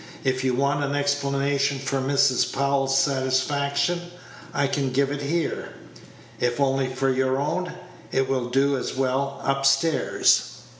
"If you want an explanation for Mrs. Powell's satisfaction, I can give it here; if only for your own, it will do as well up stairs."